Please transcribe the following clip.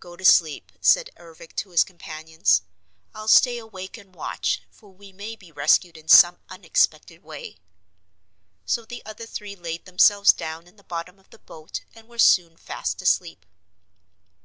"Go to sleep," said Ervic to his companions. "I'll stay awake and watch, for we may be rescued in some unexpected way." So the other three laid themselves down in the bottom of the boat and were soon fast asleep.